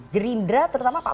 gerindra terutama pak prabowo